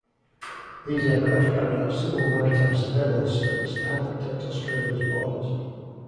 These aircraft carry out civil maritime surveillance service to help protect Australia's borders.